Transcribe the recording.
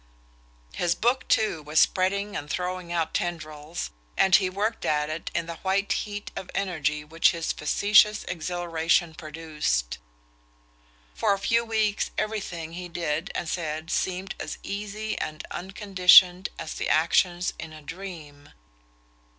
His book too was spreading and throwing out tendrils, and he worked at it in the white heat of energy which his factitious exhilaration produced. For a few weeks everything he did and said seemed as easy and unconditioned as the actions in a dream.